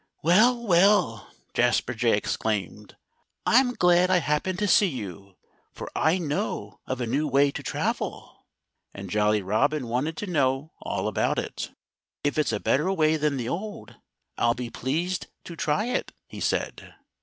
"Well, well!" Jasper Jay exclaimed. "I'm glad I happened to see you, for I know of a new way to travel." And Jolly Robin wanted to know all about it. "If it's a better way than the old, I'll be pleased to try it," he said.